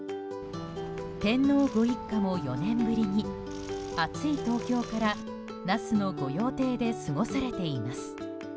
天皇ご一家も４年ぶりに暑い東京から那須の御用邸で過ごされています。